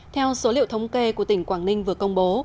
theo số liệu thống kê của tỉnh quảng ninh vừa công bố